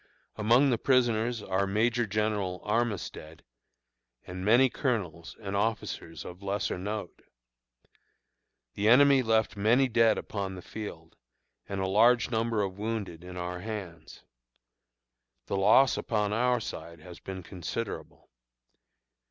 Among the prisoners are Major General Armistead, and many colonels and officers of lesser note. The enemy left many dead upon the field, and a large number of wounded in our hands. The loss upon our side has been considerable.